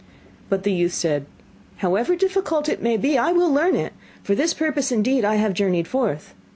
But the youth said: 'However difficult it may be, I will learn it. For this purpose indeed have I journeyed forth.